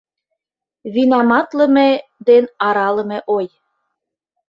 Винаматлыме ден аралыме ой